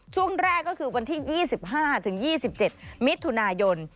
ช่วงแรกก็คือวันที่๒๕๒๗มิถุนายน